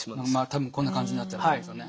多分こんな感じになっちゃうんですよね。